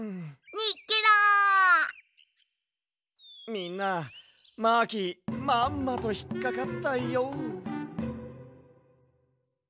みんなマーキーまんまとひっかかったＹＯ。